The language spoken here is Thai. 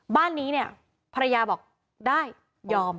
บ้านนี้เนี่ยภรรยาบอกได้ยอม